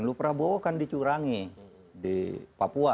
lu prabowo kan dicurangi di papua